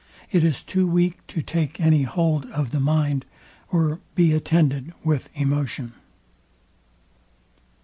It is too weak to take hold of the mind, or be attended with emotion.